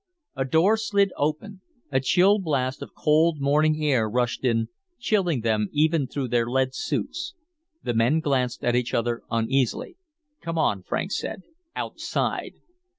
A door slid open. A chill blast of cold morning air rushed in, chilling them even through their lead suits. The men glanced at each other uneasily. "Come on," Franks said. "Outside."